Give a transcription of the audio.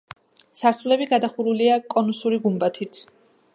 სართულები გადახურულია კონუსური გუმბათით.